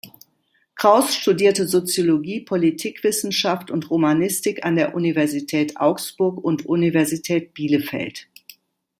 Kraus studierte Soziologie, Politikwissenschaft und Romanistik an der Universität Augsburg und Universität Bielefeld.